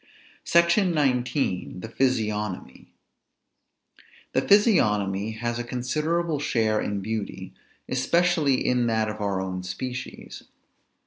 SECTION XIX. THE PHYSIOGNOMY. The physiognomy has a considerable share in beauty, especially in that of our own species.